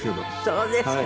そうですか。